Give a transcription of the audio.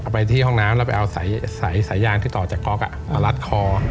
ไปที่ห้องน้ำแล้วไปเอาสายยางที่ต่อจากก๊อกมารัดคอ